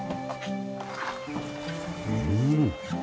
うん。